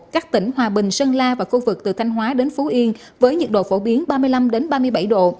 các tỉnh hòa bình sơn la và khu vực từ thanh hóa đến phú yên với nhiệt độ phổ biến ba mươi năm ba mươi bảy độ